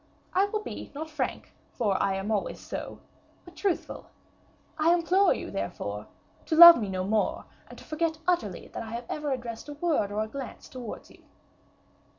I will be, not frank, for I am always so, but truthful. I implore you, therefore, to love me no more, and to forget utterly that I have ever addressed a word or a glance towards you."